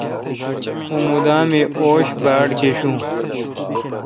اں مودہ می اوش باڑگشوں۔